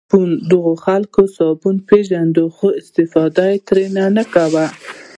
دغو خلکو صابون پېژانده خو استفاده یې نه ترې کوله.